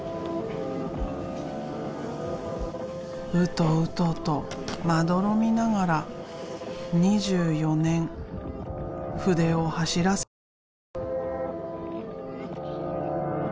ウトウトとまどろみながら２４年筆を走らせてきた。